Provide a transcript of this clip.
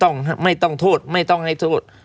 ๑๘๙น่ะไม่ต้องโทษ